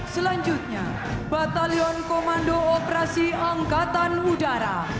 selanjutnya batalion komando operasi angkatan udara